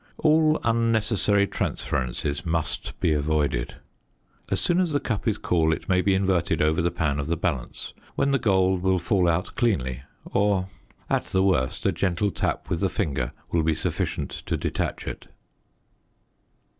All unnecessary transferences must be avoided. As soon as the cup is cool it may be inverted over the pan of the balance, when the gold will fall out cleanly or, at the worst, a gentle tap with the finger will be sufficient to detach it.